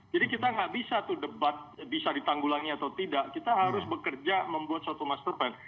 jadi kita nggak bisa tuh debat bisa ditanggulangi atau tidak kita harus bekerja membuat suatu master plan